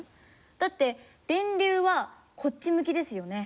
だって電流はこっち向きですよね？